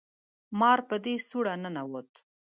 مار په دې سوړه ننوت